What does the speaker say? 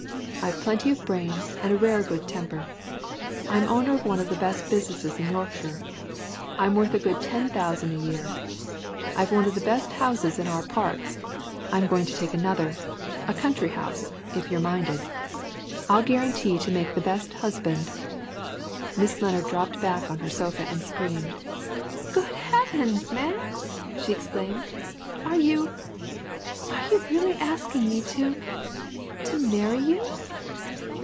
I've plenty of brains and a rare good temper. I'm owner of one of the best businesses in Yorkshire I'm worth a good ten thousand a year. I've one of the best houses in our parts I'm going to take another, a country house, if you're minded. I'll guarantee to make the best husband " Miss Lennard dropped back on her sofa and screamed. "Good heavens, man?" she exclaimed. "Are you are you really asking me to to marry you?"